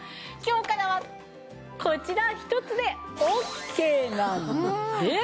今日からはこちら１つでオッケーなんです。